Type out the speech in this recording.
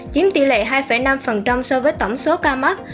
chiếm tỷ lệ hai năm so với tổng số ca mắc